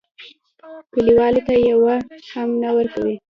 کلیوالو ته یوه هم نه ورکوي.